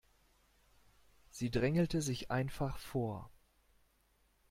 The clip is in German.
Sie drängelte sich einfach vor.